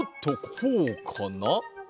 こうかな？